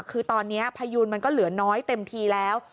คือตอนนี้พยูนมันก็เหลือน้อยเต็มทีแล้ว